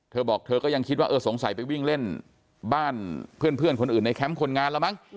เธอบอกเธอก็ยังคิดว่าเออสงสัยไปวิ่งเล่นบ้านเพื่อนคนอื่นในแคมป์คนงานแล้วมั้ง